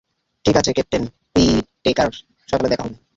ঠিক আছে captain Whitaker, সকালে দেখা হবে।